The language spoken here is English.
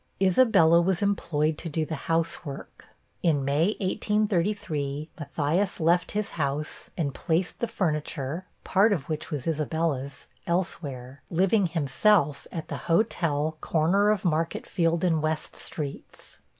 Isabella was employed to do the housework. In May, 1833, Matthias left his house, and placed the furniture, part of which was Isabella's, elsewhere, living himself at the hotel corner of Marketfield and West streets.